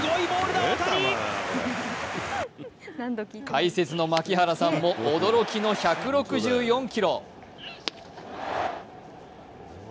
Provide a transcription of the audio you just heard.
解説の槙原さんも驚きの１６４キロ。